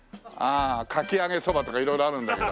かき揚げそばとか色々あるんだけど。